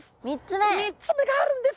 ３つ目があるんですよ！